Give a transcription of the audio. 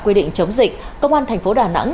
quy định chống dịch công an thành phố đà nẵng